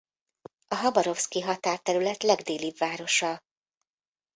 A Habarovszki határterület legdélibb városa.